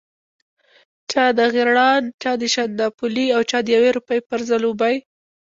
چا د غیراڼ، چا د شانداپولي او چا د یوې روپۍ پر ځلوبۍ.